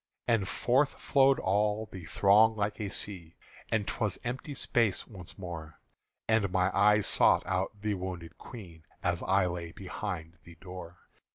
And forth flowed all the throng like a sea, And 't was empty space once more; And my eyes sought out the wounded Queen As I lay behind the door.